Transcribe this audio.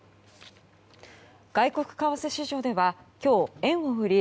外国為替市場では今日、円を売り